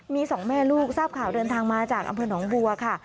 มีสองแม่ลูกทราบข่าวเดินทางมาจากอำเภอหนองบัวค่ะ